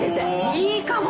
いいかも！